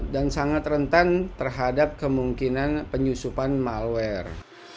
dan sangat rentan terhadap kemungkinan penyusupan malware